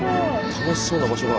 楽しそうな場所だ。